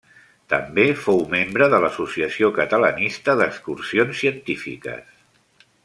També fou membre de l'Associació Catalanista d'Excursions Científiques.